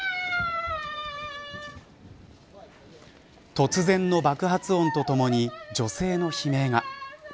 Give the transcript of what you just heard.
突然の爆発音とともに女性の悲鳴が。